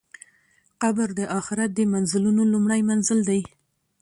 قبر د آخرت د منزلونو لومړی منزل دی.